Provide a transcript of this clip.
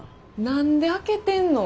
何で開けてんの？